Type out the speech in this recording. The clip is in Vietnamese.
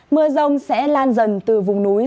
mưa rông sẽ lan dần từ vùng núi